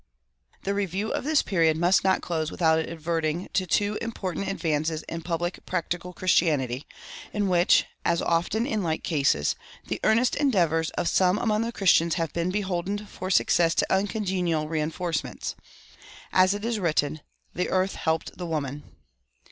The review of this period must not close without adverting to two important advances in public practical Christianity, in which (as often in like cases) the earnest endeavors of some among the Christians have been beholden for success to uncongenial reinforcements. As it is written, "The earth helped the woman."